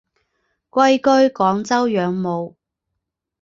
归居广州养母。